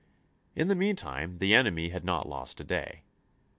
In the mean time the enemy had not lost a day.